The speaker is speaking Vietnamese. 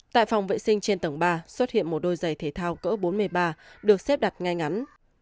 tại phòng vệ sinh trên tầng ba xuất hiện một đôi giày thể thao cỡ bốn mươi ba được xếp đặt ngay ngắn